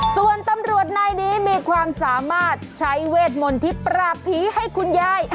ส่วนตำรวจนายนี้มีความสามารถใช้เวทมนธิปราบผีให้คุณยาย